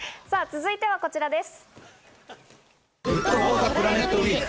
続いては、こちらです。